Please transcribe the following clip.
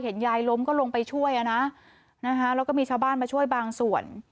ยายล้มก็ลงไปช่วยอ่ะนะแล้วก็มีชาวบ้านมาช่วยบางส่วน